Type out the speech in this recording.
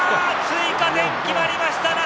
追加点、決まりました！